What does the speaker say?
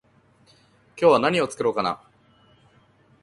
今日は何を作ろうかな？